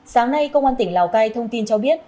sáng nay công an tỉnh lào cai thông tin cho biết